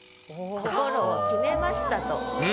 心を決めましたと。